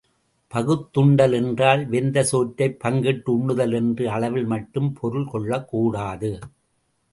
பகுத்துண்டல் என்றால் வெந்த சோற்றைப் பங்கிட்டு உண்ணுதல் என்ற அளவில் மட்டும் பொருள் கொள்ளக் கூடாது.